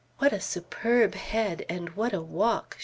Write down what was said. "What a superb head, and what a walk!"